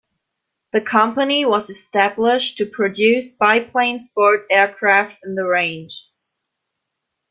The company was established to produce biplane sport aircraft in the range.